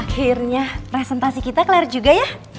akhirnya presentasi kita kelar juga ya